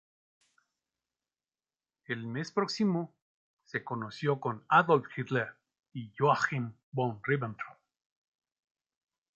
En el mes próximo, se conoció con Adolf Hitler y Joachim von Ribbentrop.